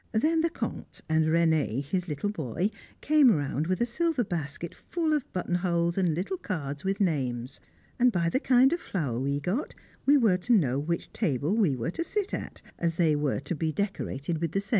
Then the Comte and René, his little boy, came round with a silver basket full of buttonholes and little cards with names, and by the kind of flower we got we were to know which table we were to sit at, as they were to be decorated with the same.